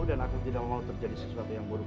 dan aku tidak mau terjadi sesuatu yang buruk